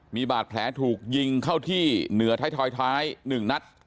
มีบาดแผลถูกยิงเข้าที่เหนือท้ายทอยท้าย๑นัด